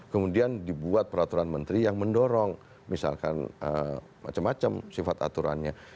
kemudian dibuat peraturan menteri yang mendorong misalkan macam macam sifat aturannya